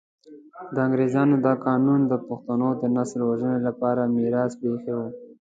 انګریزانو دا قانون د پښتنو د نسل وژنې لپاره میراث پرې ایښی وو.